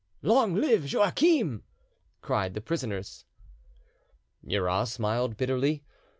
"Long live Joachim!" cried the prisoners. Murat smiled bitterly.